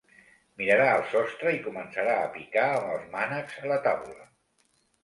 Mirarà al sostre i començarà a picar amb els mànecs a la taula.